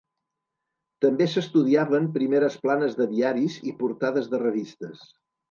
També s'estudiaven primeres planes de diaris i portades de revistes.